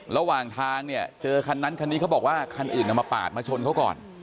ระหว่างทางเนี่ยเจอคันนั้นคันนี้เขาบอกว่าคันอื่นเอามาปาดมาชนเขาก่อน